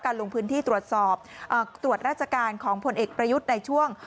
ลงพื้นที่ตรวจสอบตรวจราชการของผลเอกประยุทธ์ในช่วง